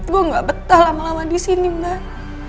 gua nggak betah lama lama di sini mbak